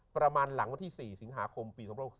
ประมาณหลังวันที่๔สิงหาคมปี๒๖๔